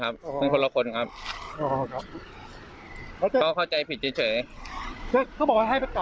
ก็เข้าใจผิดเฉย